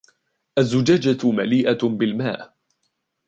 الزّجاجة مليئة بالماء.